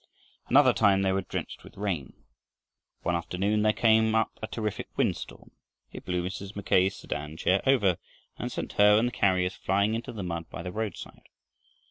Another time they were drenched with rain. One afternoon there came up a terrific wind storm. It blew Mrs. Mackay's sedan chair over and sent her and the carriers flying into the mud by the roadside.